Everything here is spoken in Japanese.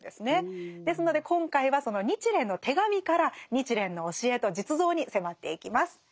ですので今回はその「日蓮の手紙」から日蓮の教えと実像に迫っていきます。